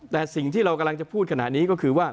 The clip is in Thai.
แต่สิ่งที่เรากำลังจะพูดขณะนี้ก็คือว่า